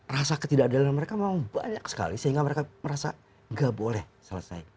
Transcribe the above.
rasa ketidakadilan mereka memang banyak sekali sehingga mereka merasa gak boleh selesai